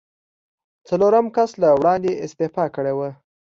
څلورم کس له وړاندې استعفا کړې وه.